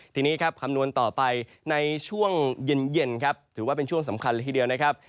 ทีนี้ครับคำนวณต่อไปในช่วงเย็นครับถือว่าเป็นช่วงสำคัญเลยทีเดียวนะครับ